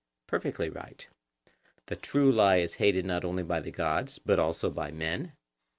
Perfectly right. The true lie is hated not only by the gods, but also by men?